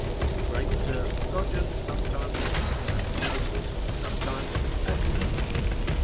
The great Turk sojourns sometimes at Constantinople, sometimes at Adrianople, &c.